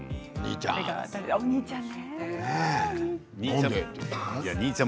お兄ちゃん。